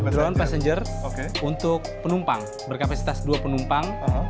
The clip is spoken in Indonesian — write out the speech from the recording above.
drone passenger untuk penumpang berkapasitas dua penumpang